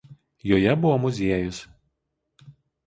Joje buvo muziejus.